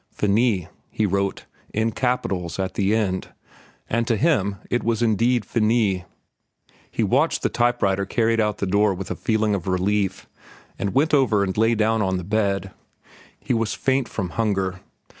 "Finis," he wrote, in capitals, at the end, and to him it was indeed finis. He watched the type writer carried out the door with a feeling of relief, then went over and lay down on the bed. He was faint from hunger.